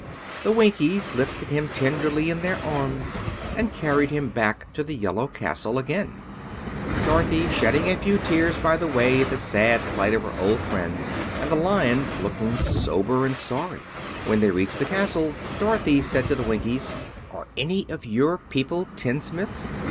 The Winkies lifted him tenderly in their arms, and carried him back to the Yellow Castle again, Dorothy shedding a few tears by the way at the sad plight of her old friend, and the Lion looking sober and sorry. When they reached the castle Dorothy said to the Winkies: "Are any of your people tinsmiths?"